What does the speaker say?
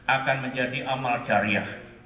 akan menjadi amal jariah